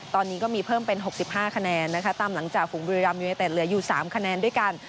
ตอนนี้ก็มีเพิ่มเป็น๖๕คะแนนนะคะตามหลังจากฝุงบุรีรัมยูเนเต็ดเหลืออยู่๓คะแนนด้วยกัน